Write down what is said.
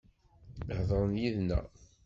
Heḍren yid-neɣ.